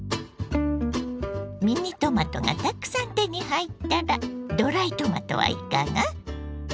ミニトマトがたくさん手に入ったらドライトマトはいかが。